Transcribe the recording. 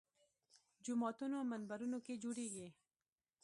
جوماتونو منبرونو کې جوړېږي